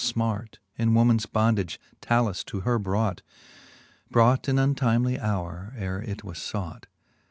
fmart In womans bondage lalus to her brought 5 Brought in untimely houre, ere it was fought.